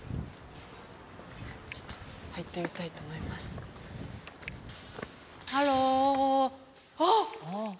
ちょっと入ってみたいと思いますハローああ！